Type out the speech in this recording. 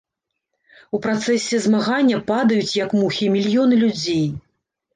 У працэсе змагання падаюць, як мухі, мільёны людзей.